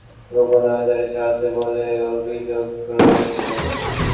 ভিন্নমতাবলম্বী প্রতিবেশীদের ওপর শাসকশ্রেণীর পক্ষের লোকজন গোপন নজরদারি চালাত বলেও অভিযোগ রয়েছে।